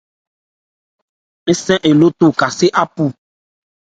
Ń gɛ nkɔn li yi.